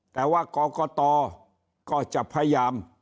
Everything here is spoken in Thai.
แต่ว่ากรกตก็จะพยายาม